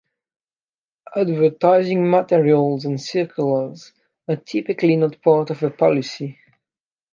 Advertising materials and circulars are typically not part of a policy.